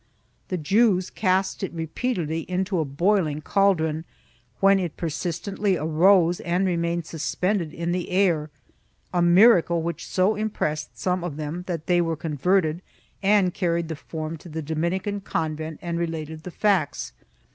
The Jews cast it repeatedly into a boiling caldron, when it persistently arose and remained sus pended in the air, a miracle which so impressed some of them that they were converted and carried the form to the Dominican con vent and related the facts.